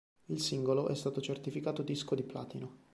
Il singolo è stato certificato disco di platino.